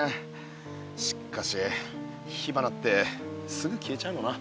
しっかし火花ってすぐ消えちゃうのな。